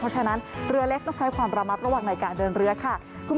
เพราะฉะนั้นเรือเล็กต้องใช้ความระมัดระวังในการเดินเรือค่ะ